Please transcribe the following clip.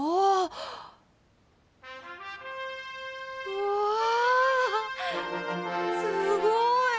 うわすごい！